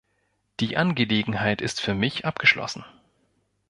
Die Angelegenheit ist für mich abgeschlossen.